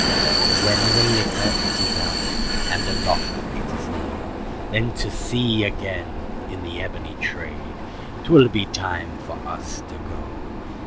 And when the liquor it is out, and the locker it is low, Then to sea again, in the ebony trade, 'twill be time for us to go.